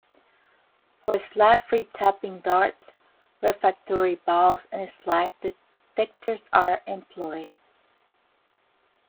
For slag-free tapping, darts, refractory balls and slag detectors are employed.